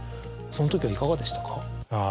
そのときはいかがでしたか？